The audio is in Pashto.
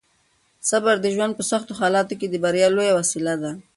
صبر د ژوند په سختو حالاتو کې د بریا لویه وسیله ده.